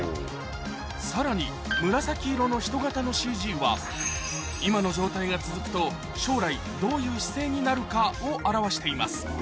さらに紫色の人型のＣＧは今の状態が続くと将来どういう姿勢になるかを表しています